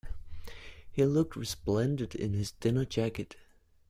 He looked resplendent in his dinner jacket